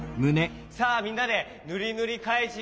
さあみんなでぬりぬりかいじん